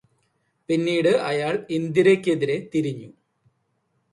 പിന്നീട് അയാള് ഇന്ദിരയ്ക്കെതിരെ തിരിഞ്ഞു.